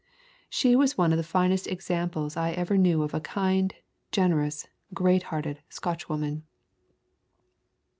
She was one of the finest examples I ever knew of a kind, generous, great hearted Scotchwoman."